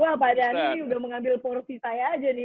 wah pak dhani sudah mengambil porsi saya saja nih